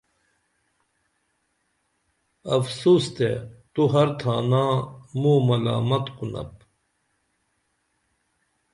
افسوس تے تو ہر تھانا موں مُلامت کُنپ